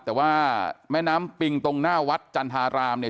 แต่ว่าแม่น้ำปิงตรงหน้าวัดจันทรารามเนี่ย